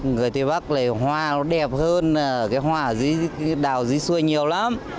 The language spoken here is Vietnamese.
nó đẹp hơn cái đào ở dưới xuôi nhiều lắm